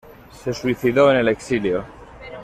Se suicidó en el exilio.